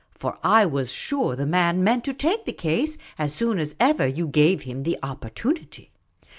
For I was sure the man meant to take the case as soon as ever you gave him the opportunity."